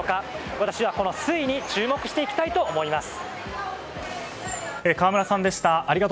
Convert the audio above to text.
私はこの推移に注目していきたいと思います。